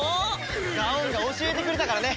ガオーンが教えてくれたからね。